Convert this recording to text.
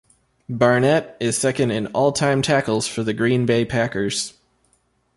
Barnett is second in all-time tackles for the Green Bay Packers.